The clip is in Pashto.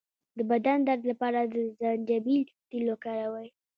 د بدن درد لپاره د زنجبیل تېل وکاروئ